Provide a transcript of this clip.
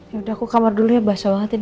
yaudah aku kamar dulu ya basah banget